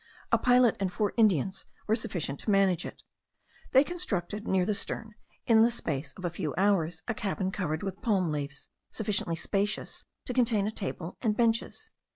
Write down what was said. A pilot and four Indians were sufficient to manage it. They constructed, near the stern, in the space of a few hours, a cabin covered with palm leaves, sufficiently spacious to contain a table and benches.